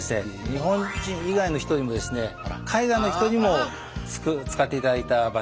日本人以外の人にもですね海外の人にも使っていただいた場所なんですけども。